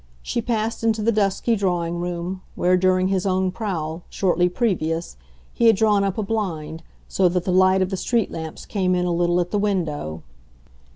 She passed into the dusky drawing room, where, during his own prowl, shortly previous, he had drawn up a blind, so that the light of the street lamps came in a little at the window.